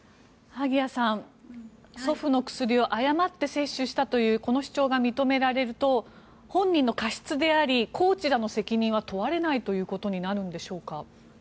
萩谷さん、祖父の薬を誤って摂取したというこの主張が認められると本人の過失でありコーチらの責任は問われないということになるのでしょうか？